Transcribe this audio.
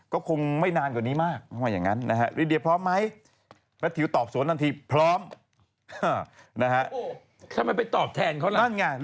ก็ครอบครัวเขาเนี่ยพร้อมช่วงว่า